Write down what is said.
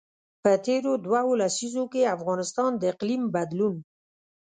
په تېرو دوو لسیزو کې افغانستان د اقلیم بدلون.